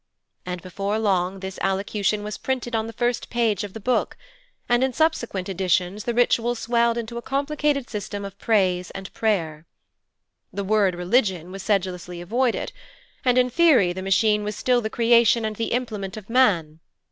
And before long this allocution was printed on the first page of the Book, and in subsequent editions the ritual swelled into a complicated system of praise and prayer. The word 'religion' was sedulously avoided, and in theory the Machine was still the creation and the implement of man.